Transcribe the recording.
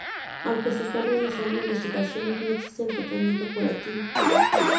Aunque se están realizando investigaciones, no existe tratamiento curativo.